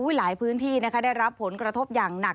หลายพื้นที่ได้รับผลกระทบอย่างหนัก